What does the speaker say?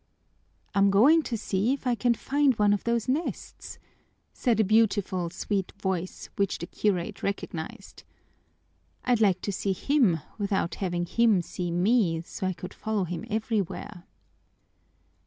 "I'm going to see if I can find one of those nests," said a beautiful, sweet voice, which the curate recognized. "I'd like to see him without having him see me, so I could follow him everywhere."